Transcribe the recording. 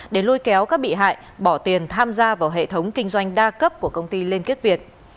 để lôi kéo các bị hại bỏ tiền tham gia vào hệ thống kinh doanh đa cấp của công ty liên kết việt